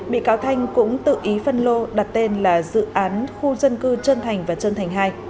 bị cáo thanh cũng tự ý phân lô đặt tên là dự án khu dân cư trân thành và trân thành hai